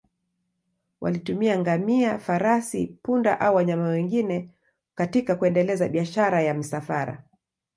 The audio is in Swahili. Walitumia ngamia, farasi, punda au wanyama wengine katika kuendeleza biashara ya misafara.